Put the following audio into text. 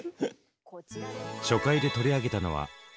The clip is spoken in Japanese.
初回で取り上げたのは。